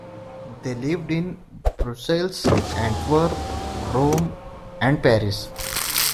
They lived in Brussels, Antwerp, Rome, and Paris.